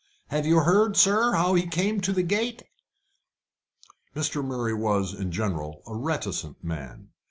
Have you heard, sir, how he came to the gate?" Mr. Murray was, in general, a reticent man.